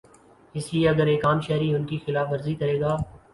اس لیے اگر ایک عام شہری ان کی خلاف ورزی کرے گا۔